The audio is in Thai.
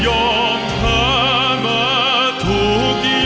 ยอมอาสันก็พระปองเทศพองไทย